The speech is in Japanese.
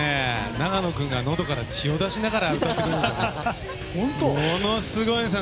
長野君がのどから血を出しながら歌ってくれるんですよ。